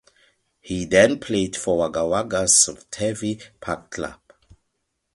He then played for Wagga Wagga's Turvey park club.